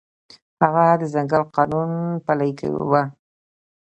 هغه د ځنګل قانون پلی کاوه.